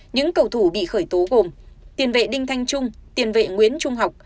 những cầu thủ bị khởi tố gồm tiền vệ đinh thanh trung tiền vệ nguyễn trung học